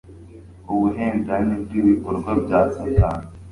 ubuhendanyi bwibikorwa bya Satani